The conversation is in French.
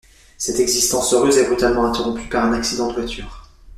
Cette existence heureuse est brutalement interrompue par un accident de voiture.